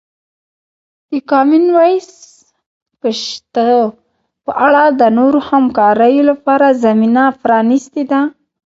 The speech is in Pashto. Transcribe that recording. د کامن وایس پښتو په اړه د نورو همکاریو لپاره زمینه پرانیستې ده.